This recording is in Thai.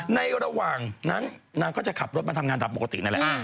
ระหว่างนั้นนางก็จะขับรถมาทำงานตามปกตินั่นแหละ